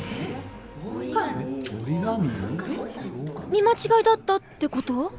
見間違いだったって事？